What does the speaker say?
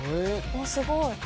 「すごい！」